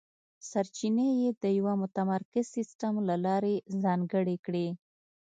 سرچینې یې د یوه متمرکز سیستم له لارې ځانګړې کړې.